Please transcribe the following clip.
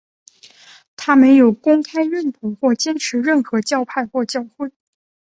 他没有公开认同或坚持任何教派或教会。